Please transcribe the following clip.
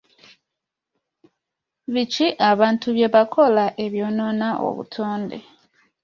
Biki abantu bye bakola ebyonoona obutonde?